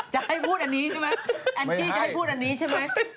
จะให้พูดอันนี้ใช่ไหมแอนจี้จะให้พูดอันนี้ใช่ไหม